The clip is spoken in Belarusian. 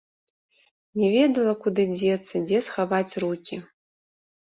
Не ведала, куды дзецца, дзе схаваць рукі.